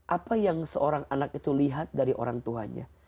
apa yang seorang anak itu lihat dari orang tuanya